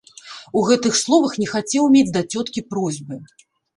У гэтых словах не хацеў мець да цёткі просьбы.